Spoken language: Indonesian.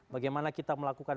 bagaimana kita melakukan